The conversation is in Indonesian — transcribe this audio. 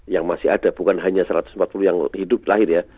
yang masih ada bukan hanya satu ratus empat puluh yang hidup lahir ya